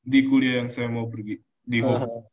di kuliah yang saya mau pergi di hotel